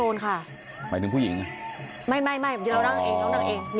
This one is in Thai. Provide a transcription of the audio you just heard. พ่อปู่ฤาษีเทพนรสิงค่ะมีเฮ็ดโฟนเหมือนเฮ็ดโฟน